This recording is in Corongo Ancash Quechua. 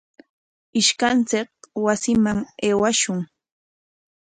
Ishkanchik wasiman aywashun.